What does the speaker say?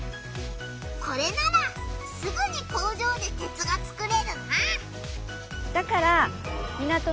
これならすぐに工場で鉄が作れるな！